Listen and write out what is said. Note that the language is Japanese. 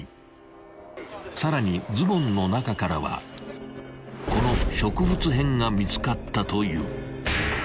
［さらにズボンの中からはこの植物片が見つかったという］